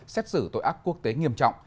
xét xử tội ác quốc tế nghiêm trọng